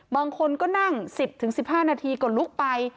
บางคนก็นั่งสิบถึงสิบห้านาทีก็ลุกไป